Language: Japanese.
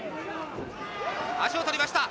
足を取りました